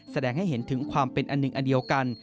แสดงให้เห็นถึงความเป็นอันหนึ่งอันเดียวกัน